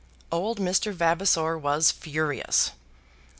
Old Mr. Vavasor was furious.